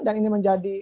dan ini menjadi